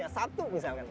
yang satu misalnya